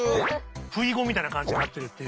ふいごみたいな感じになってるっていう。